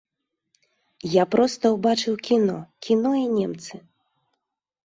Я проста ўбачыў кіно, кіно і немцы!